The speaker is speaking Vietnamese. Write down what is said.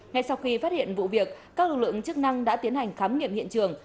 ngay sau khi phát hiện vụ việc các lực lượng chức năng đã tiến hành khám nghiệm hiện trường